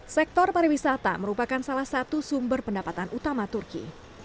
sektor pariwisata merupakan salah satu sumber pendapatan utama turki